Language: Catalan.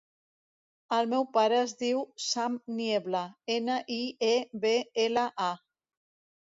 El meu pare es diu Sam Niebla: ena, i, e, be, ela, a.